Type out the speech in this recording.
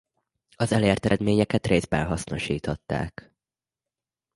Az elért eredményeket részben hasznosították.